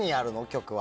曲は。